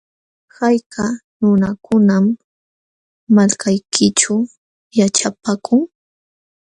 ¿Hayka nunakunam malkaykićhu yaćhapaakun?